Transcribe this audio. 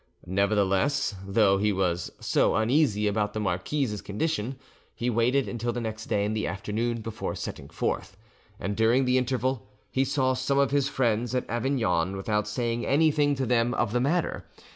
Nevertheless, though he was so uneasy about the marquise's condition, he waited until the next day in the afternoon before setting forth, and during the interval he saw some of his friends at Avignon without saying anything to them of the matter.